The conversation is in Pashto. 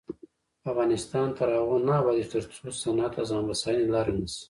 افغانستان تر هغو نه ابادیږي، ترڅو صنعت د ځان بسیاینې لاره نشي.